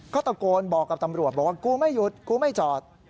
ก็ตะโกนบอกกับตำรวจบอกว่ากูไม่หยุดกูไม่จอด